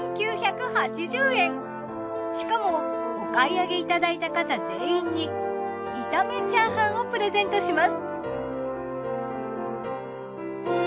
しかもお買い上げいただいた方全員に炒めチャーハンをプレゼントします。